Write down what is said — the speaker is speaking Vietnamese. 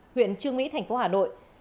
huyện trương mỹ thành phố hà nội